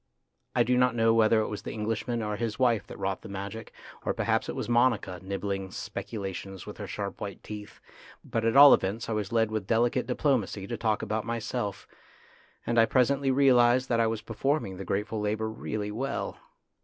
I do not know whether it was the Englishman or his wife that wrought the magic : or perhaps it was Monica, nibbling " speculations " with her sharp white teeth ; but at all events I was led with delicate diplomacy to talk about myself, and I presently realised that I was performing the grateful labour really well.